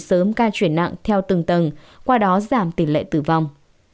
bà hà khẳng định tỷ lệ bệnh nhân chuyển nặng theo từng tầng qua đó giảm tỷ lệ tử vong